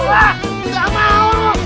wah gak mau